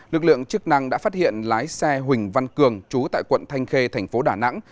lực lượng chức năng đã phát hiện lái xe huỳnh văn cường trú tại quận thanh khê thành phố đà nẵng